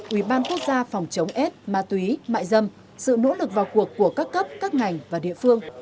ủy ban quốc gia phòng chống ết ma túy mại dâm sự nỗ lực vào cuộc của các cấp các ngành và địa phương